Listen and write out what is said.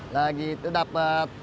lagi itu dapat